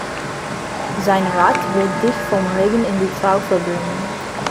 Sein Rat wird dich vom Regen in die Traufe bringen.